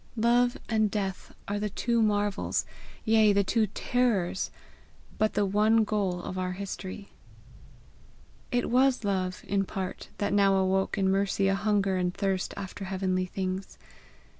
Love and death are the two marvels, yea the two terrors but the one goal of our history. It was love, in part, that now awoke in Mercy a hunger and thirst after heavenly things.